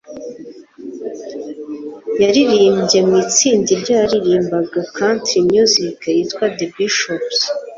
yaririmbye mu itsinda ryaririmbaga country music ryitwa the bishops